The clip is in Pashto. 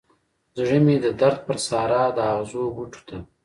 زړه مې د درد پر سارا د اغزو بوټو ته